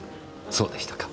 そうでしたか。